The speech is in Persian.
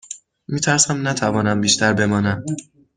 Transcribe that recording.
می ترسم نتوانم بیشتر بمانم.